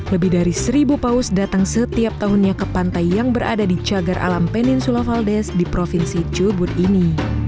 lebih dari seribu paus datang setiap tahunnya ke pantai yang berada di cagar alam peninsula valdes di provinsi cubut ini